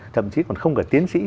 thậm chí còn không cả tiến sĩ